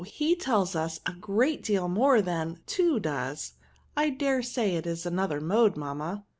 he tells us a great deal more than to does. I dare say it is another mode, mamma."